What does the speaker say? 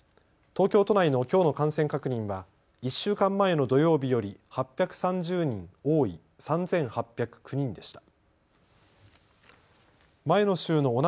東京都内のきょうの感染確認は１週間前の土曜日より８３０人多い３８０９人でした。